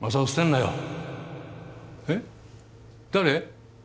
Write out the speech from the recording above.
えっ誰？